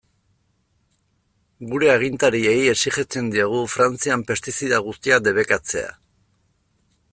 Gure agintariei exijitzen diegu Frantzian pestizida guztiak debekatzea.